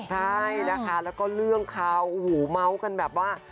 ใช่นะคะแล้วก็เรื่องเขาหูเม้ากันแบบว่า